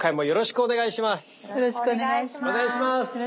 よろしくお願いします。